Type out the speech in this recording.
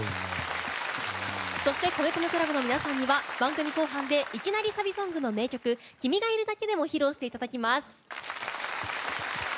そして米米ＣＬＵＢの皆さんには番組後半でいきなりサビソングの名曲「君がいるだけで」を披露していただきます。